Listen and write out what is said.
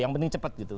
yang penting cepat gitu